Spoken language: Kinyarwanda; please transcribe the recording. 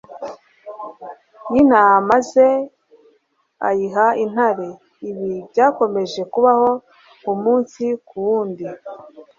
y'intama ze ayiha intare. ibi byakomeje kubaho umunsi ku wundi